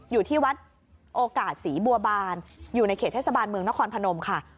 อยู่ที่วัดโอกาสศรีบัวบานอยู่ในเขตเทศบาลเมืองนครพนมค่ะ